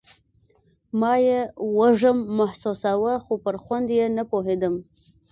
ما يې وږم محسوساوه خو پر خوند يې نه پوهېدم.